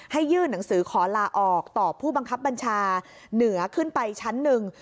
ยื่นหนังสือขอลาออกต่อผู้บังคับบัญชาเหนือขึ้นไปชั้นหนึ่ง